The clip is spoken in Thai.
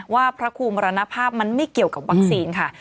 พระครูมรณภาพมันไม่เกี่ยวกับวัคซีนค่ะ